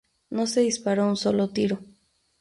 No se disparó un sólo tiro.